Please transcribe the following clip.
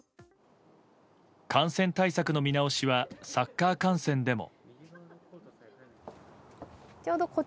感染対策の見直しはサッカー観戦でも。